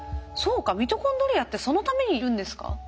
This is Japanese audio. そうかミトコンドリアってそのためにいるんですか？